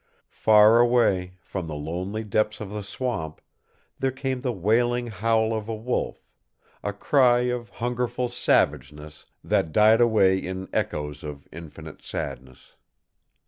Far away, from the lonely depths of the swamp, there came the wailing howl of a wolf a cry of hungerful savageness that died away in echoes of infinite sadness.